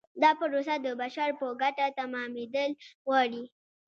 دا پروسه د بشر په ګټه تمامیدل غواړي.